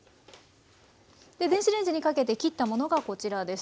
電子レンジにかけて切ったものがこちらです。